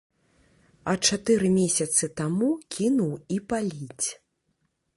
А чатыры месяцы таму кінуў і паліць.